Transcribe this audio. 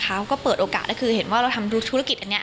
เขาก็เปิดโอกาสแล้วคือเห็นว่าเราทำธุรกิจอันนี้